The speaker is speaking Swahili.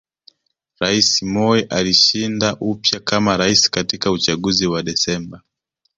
Rais Moi alishinda upya kama Rais katika uchaguzi wa Desemba